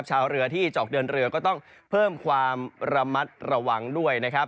ชาวเรือที่ตกเดินเรือก็ต้องเพิ่มความระมัดระวังด้วย